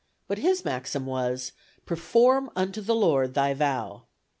But his maxim was, Perform unto the Lord thy vow.